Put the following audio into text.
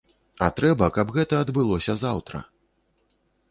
А трэба, каб гэта адбылося заўтра.